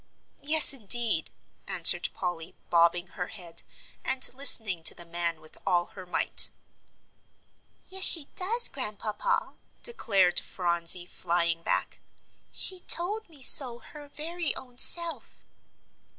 "Yes, indeed," answered Polly, bobbing her head, and listening to the man with all her might. "Yes, she does, Grandpapa," declared Phronsie, flying back, "she told me so her very own self."